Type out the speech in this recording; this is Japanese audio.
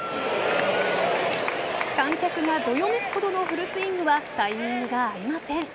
観客がどよめくほどのフルスイングはタイミングが合いません。